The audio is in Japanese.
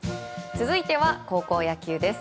続いては高校野球です。